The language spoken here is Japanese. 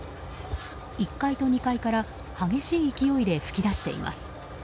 １階と２階から激しい勢いで噴き出しています。